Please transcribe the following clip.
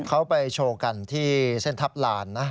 เขาไปโชว์กันที่เส้นทัพลานนะ